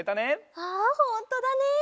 あほんとだね！